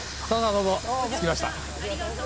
どうぞ着きました。